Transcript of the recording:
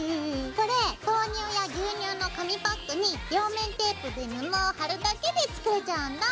これ豆乳や牛乳の紙パックに両面テープで布を貼るだけで作れちゃうんだ。